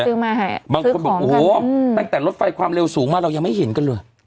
เอาไปซื้อมาให้ซื้อของกันบางคนบอกโอ้โหตั้งแต่ลดไฟความเร็วสูงมาเรายังไม่เห็นกันเลย